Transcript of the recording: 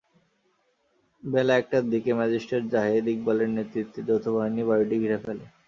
বেলা একটার দিকে ম্যাজিস্ট্রেট জাহিদ ইকবালের নেতৃত্বে যৌথবাহিনী বাড়িটি ঘিরে ফেলে।